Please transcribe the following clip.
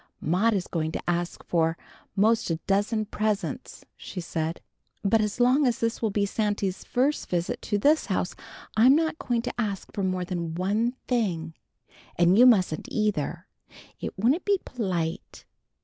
"Maudie is going to ask for 'most a dozen presents," she said. "But as long as this will be Santy's first visit to this house I'm not going to ask for more than one thing, and you mustn't either. It wouldn't be polite."